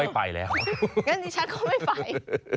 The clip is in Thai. เอาแล้วชัทก็ไม่ไป